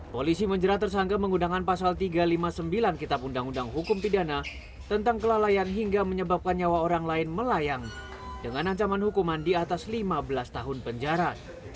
polisi menjerat tersangka menggunakan pasal tiga ratus lima puluh sembilan kitab undang undang hukum pidana tentang kelalaian hingga menyebabkan nyawa orang lain melayang dengan ancaman hukuman di atas lima belas tahun penjara